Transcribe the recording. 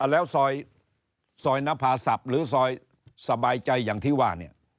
แล้วซอยนภาศัพท์หรือซอยสบายใจอย่างที่ว่าเนี่ย